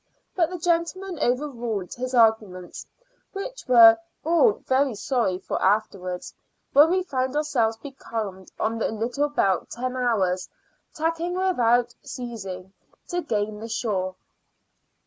But the gentlemen overruled his arguments, which we were all very sorry for afterwards, when we found ourselves becalmed on the Little Belt ten hours, tacking about without ceasing, to gain the shore.